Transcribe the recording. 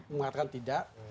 bupati mengatakan tidak